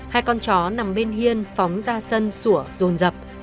hai con chó nằm bên hiên phóng ra sân sủa rối